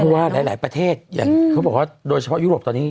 เพราะว่าหลายประเทศอย่างเขาบอกว่าโดยเฉพาะยุโรปตอนนี้